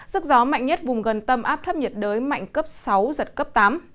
sức gió mạnh nhất vùng gần tâm áp thấp nhiệt đới mạnh cấp sáu giật cấp tám